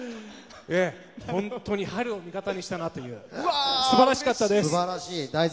本当に春を味方にしたなという素晴らしかったです。